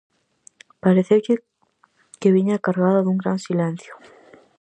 Pareceulle que viña cargada dun gran silencio.